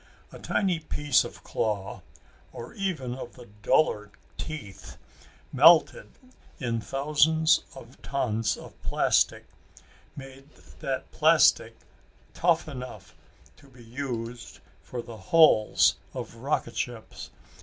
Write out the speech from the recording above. A tiny piece of claw, or even of the duller teeth, melted in thousands of tons of plastic, made that plastic tough enough to be used for the hulls of rocket ships.